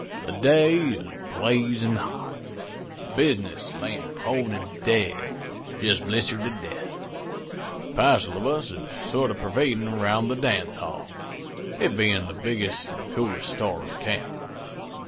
The day is blazin' hot, an' business layin' prone an' dead jest blistered to death. A passel of us is sorter pervadin' round the dance hall, it bein' the biggest an' coolest store in camp.